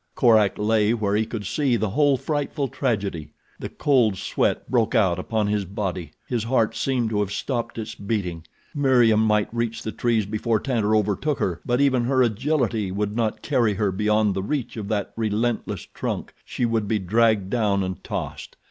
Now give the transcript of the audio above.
Korak lay where he could see the whole frightful tragedy. The cold sweat broke out upon his body. His heart seemed to have stopped its beating. Meriem might reach the trees before Tantor overtook her, but even her agility would not carry her beyond the reach of that relentless trunk—she would be dragged down and tossed.